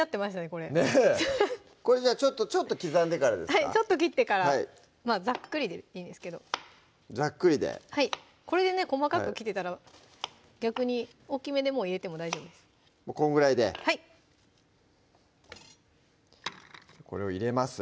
これねぇこれちょっと刻んでからですかはいちょっと切ってからまぁざっくりでいいんですけどざっくりでこれでね細かく切ってたら逆に大きめでもう入れても大丈夫ですこんぐらいではいこれを入れます